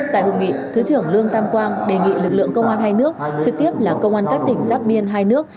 tại hội nghị thứ trưởng lương tam quang đề nghị lực lượng công an hai nước trực tiếp là công an các tỉnh giáp biên hai nước